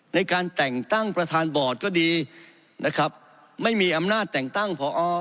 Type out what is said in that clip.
ในการแต่งตั้งประธานบอร์ดก็ดีนะครับไม่มีอำนาจแต่งตั้งพอ